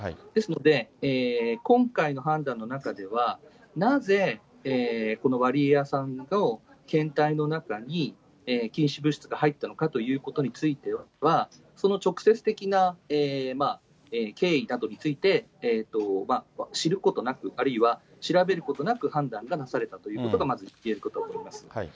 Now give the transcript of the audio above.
ですので、今回の判断の中では、なぜ、このワリエワさんの検体の中に、禁止物質が入ったのかということについては、その直接的な経緯などについて、知ることなく、あるいは調べることなく判断がなされたということが、まず言えることだと思います。